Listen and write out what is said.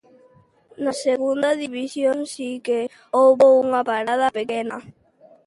Na segunda División si que houbo unha parada pequena.